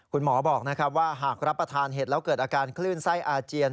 คุณหมอบอกว่าหากรับประทานเห็ดแล้วเกิดอาการคลื่นไส้อาเจียน